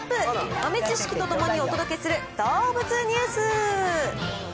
豆知識とともにお届けする動物ニュース！